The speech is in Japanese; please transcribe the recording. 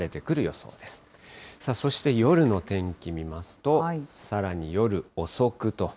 そして夜の天気見ますと、さらに夜遅くと。